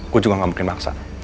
gue juga gak mau terima maksa